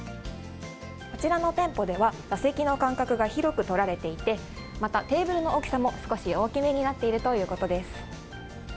こちらの店舗では、座席の間隔が広く取られていて、またテーブルの大きさも少し大きめになっているということです。